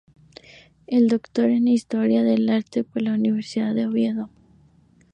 Es doctor en Historia del Arte por la Universidad de Oviedo.